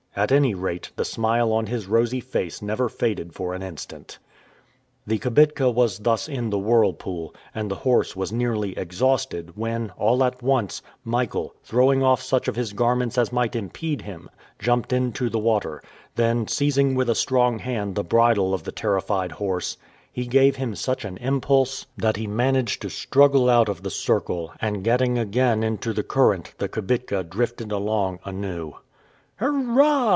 At any rate, the smile on his rosy face never faded for an instant. The kibitka was thus in the whirlpool, and the horse was nearly exhausted, when, all at once, Michael, throwing off such of his garments as might impede him, jumped into the water; then, seizing with a strong hand the bridle of the terrified horse, he gave him such an impulse that he managed to struggle out of the circle, and getting again into the current, the kibitka drifted along anew. "Hurrah!"